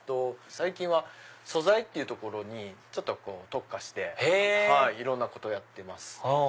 最近は素材っていうところに特化していろんなことをやっています。